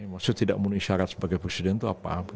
maksudnya tidak memenuhi syarat sebagai presiden itu apa apa